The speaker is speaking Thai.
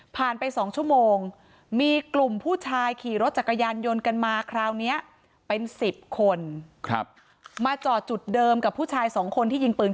ผ่านไป๒ชั่วโมงมีกลุ่มผู้ชายขี่รถจักรยานยนต์กันมาคราวนี้เป็น๑๐คน